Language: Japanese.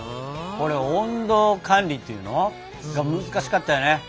これ温度管理っていうの？が難しかったよね。